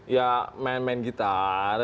ya main main gitar